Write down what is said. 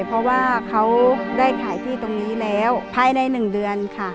เพราะว่าเขาได้ขายที่ตรงนี้แล้วภายใน๑เดือนค่ะ